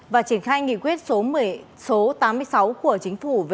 và triển khai nghị quyết số tám mươi sáu của chính phủ